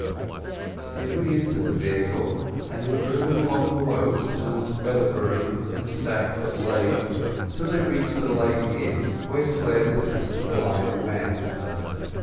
They re entered the vehicle, and were driven along the roads towards Weatherbury and Stagfoot Lane, till they reached the Lane inn, where Clare dismissed the fly and man.